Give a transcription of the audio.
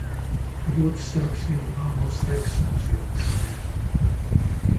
Geburtstags im Amos Rex Museum teil.